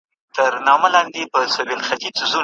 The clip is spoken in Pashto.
سل وعدې مو هسې د اوبو پر سر کرلې وې